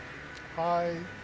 はい！